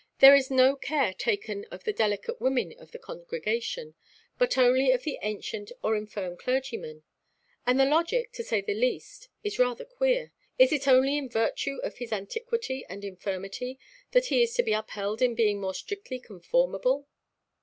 "There is no care taken of the delicate women of the congregation, but only of the ancient or infirm clergyman. And the logic, to say the least, is rather queer: is it only in virtue of his antiquity and infirmity that he is to be upheld in being more strictly conformable?